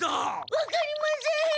わかりません！